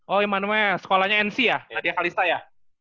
oh immanuel sekolahnya nc ya nadia khalista ya